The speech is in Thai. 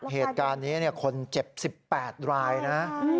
เหตุการณ์นี้คนเจ็บ๑๘รายนะ